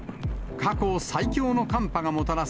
過去最強の寒波がもたらす